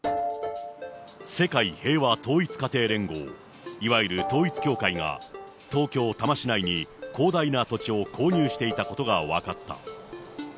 世界平和統一家庭連合、いわゆる統一教会が、東京・多摩市内に広大な土地を購入していたことが分かった。